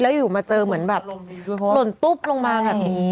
แล้วอยู่มาเจอเหมือนแบบหล่นตุ๊บลงมาแบบนี้